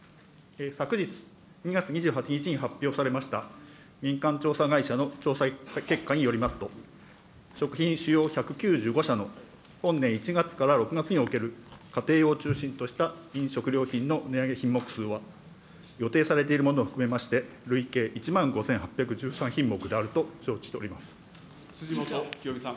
昨日２月２８日に発表されました、民間調査会社の調査結果によりますと、食品主要１９５社の本年１月から６月における家庭用を中心とした飲食料品の値上げ品目数は、予定されているものを含めまして、辻元清美さん。